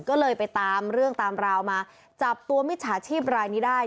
ก็เลยไปตามเรื่องตามราวมาจับตัวมิจฉาชีพรายนี้ได้